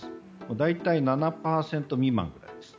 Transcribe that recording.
大体、７％未満ぐらいです。